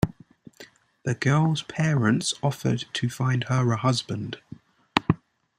The girl's parents offered to find her a husband.